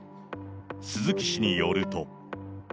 鈴木氏によると。